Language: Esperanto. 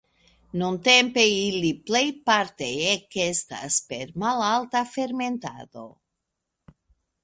Nuntempe ili plejparte ekestas per malalta fermentado.